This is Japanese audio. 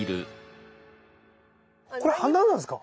これ花なんですか？